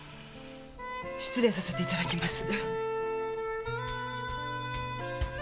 失礼させていただきます。